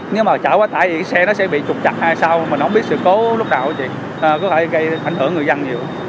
nếu mà chở quá tải thì xe nó sẽ bị trục chặt hay sao mà nó không biết sự cố lúc nào đâu chị có thể gây ảnh hưởng người dân nhiều